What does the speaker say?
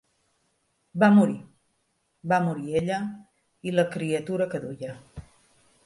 -Va morir. Va morir ella…i la criatura que duia.